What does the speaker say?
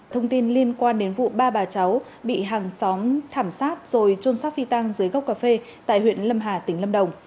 thông tin liên quan đến vụ ba bà cháu bị hàng xóm thảm sát rồi trôn sát phi tăng dưới gốc cà phê tại huyện lâm hà tỉnh lâm đồng